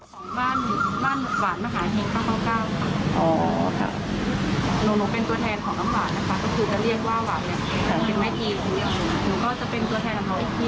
ของบ้านบ้านหวานมหาเฮงข้าวเก้าค่ะอ๋อค่ะหนูหนู